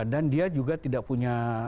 dan dia juga tidak punya